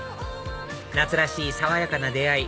夏らしい爽やかな出会い